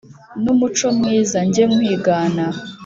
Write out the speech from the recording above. n’umuco mwiza njye nkwigana